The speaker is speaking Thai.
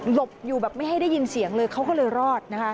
บอยู่แบบไม่ให้ได้ยินเสียงเลยเขาก็เลยรอดนะคะ